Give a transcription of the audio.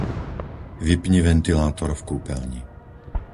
Vypni ventilátor v kúpelni.